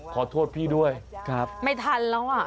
ขอโทษพี่ด้วยไม่ทันแล้วอะ